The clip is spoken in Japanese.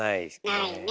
ないね。